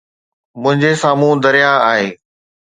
منهنجي سامهون درياهه آهي.